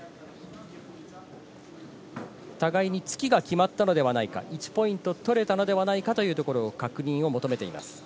互いに突きが決まったのではないか、１ポイント取れたのではないかというところの確認を求めています。